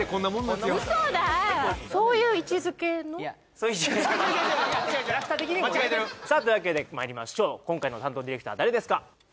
違う違う間違えてるさあというわけでまいりましょう今回の担当ディレクター誰ですか？